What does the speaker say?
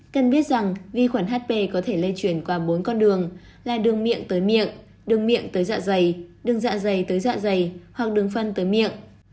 cần biết rằng vi khuẩn hp có thể lây chuyển qua bốn con đường là đường miệng tới miệng đường miệng tới dạ dày đường dạ dày tới dạ dày hoặc đường phân tới miệng